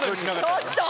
ちょっと！